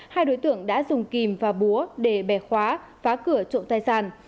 hai đối tượng đã dùng kìm và búa để bẻ khóa phá cửa trộm tài sản